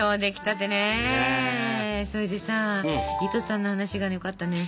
それでさ糸さんの話がよかったね。